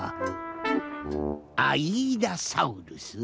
アイーダサウルス？